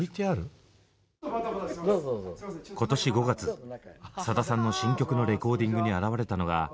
今年５月さださんの新曲のレコーディングに現れたのが。